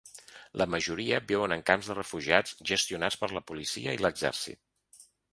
La majoria viuen en camps de refugiats gestionats per la policia i l’exèrcit.